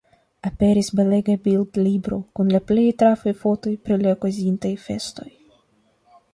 Aperis belega bildlibro kun la plej trafaj fotoj pri la okazintaj festoj.